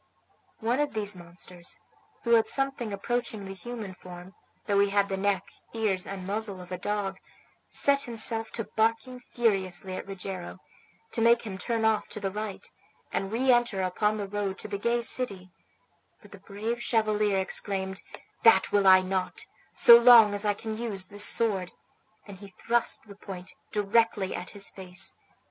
One of these monsters, who had something approaching the human form, though he had the neck, ears, and muzzle of a dog, set himself to bark furiously at Rogero, to make him turn off to the right, and reenter upon the road to the gay city; but the brave chevalier exclaimed, "That will I not, so long as I can use this sword," and he thrust the point directly at his face.